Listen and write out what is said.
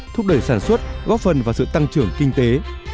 thúc đẩy sản xuất góp phần vào sự tăng trưởng kinh tế